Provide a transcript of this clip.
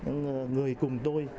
người cùng tôi